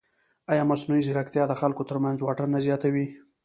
ایا مصنوعي ځیرکتیا د خلکو ترمنځ واټن نه زیاتوي؟